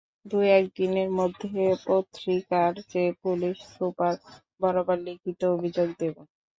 দু-এক দিনের মধ্যে প্রতিকার চেয়ে পুলিশ সুপার বরাবর লিখিত অভিযোগ দেব।